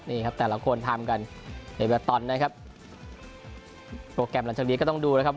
นี่ครับแต่ละคนทำกันในเวอร์ตอนนะครับโปรแกรมหลังจากนี้ก็ต้องดูนะครับ